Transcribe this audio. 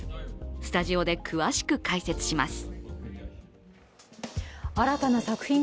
スタジオで詳しく解説します。